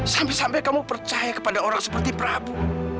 sampai sampai kamu percaya kepada orang seperti prabu